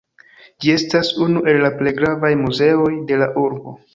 Ĝi estas unu el la plej gravaj muzeoj de la urbo.